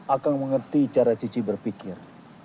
akan mengerti cara cici berpikir